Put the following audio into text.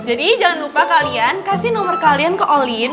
jadi jangan lupa kalian kasih nomer kalian ke olin